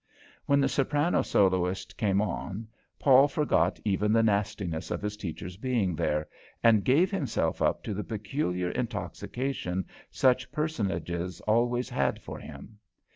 When the soprano soloist came on, Paul forgot even the nastiness of his teacher's being there, and gave himself up to the peculiar intoxication such personages always had for him.